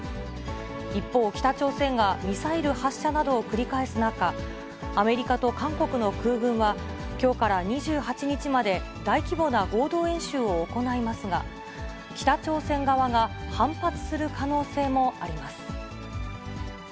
一方、北朝鮮がミサイル発射などを繰り返す中、アメリカと韓国の空軍は、きょうから２８日まで、大規模な合同演習を行いますが、北朝鮮側が反発する可能性もあります。